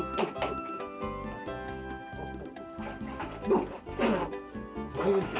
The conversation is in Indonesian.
ini sabunan nyak bawel lama sih